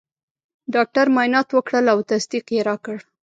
ډاکټر معاینات وکړل او تصدیق یې راکړ.